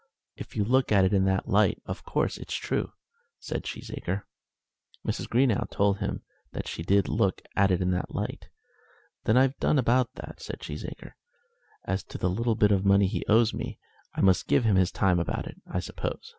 "If you look at it in that light, of course it's true," said Cheesacre. Mrs. Greenow told him that she did look at it in that light. "Then I've done about that," said Cheesacre; "and as to the little bit of money he owes me, I must give him his time about it, I suppose."